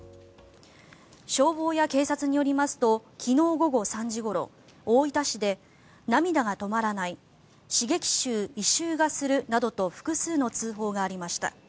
消防や警察によりますと昨日午後３時ごろ、大分市で涙が止まらない刺激臭・異臭がするなどと複数の通報がありました。